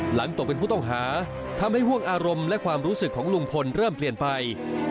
หลังตกเป็นผู้ต้องหาทำให้ห่วงอารมณ์และความรู้สึกของลุงพลเริ่มเปลี่ยนไป